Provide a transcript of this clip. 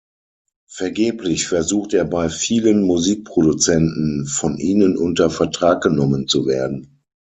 Vergeblich versucht er bei vielen Musikproduzenten von ihnen unter Vertrag genommen zu werden.